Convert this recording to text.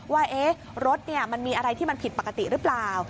ว่ารถมันมีอะไรที่มันผิดปกติหรือเปล่า